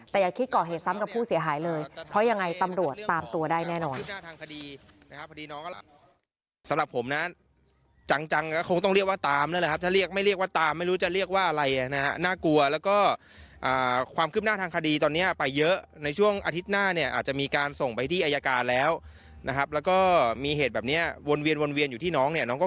แต่อย่าคิดก่อเหตุซ้ำกับผู้เสียหายเลยเพราะยังไงตำรวจตามตัวได้แน่นอน